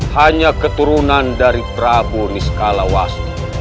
hanya keturunan dari prabu niskalawas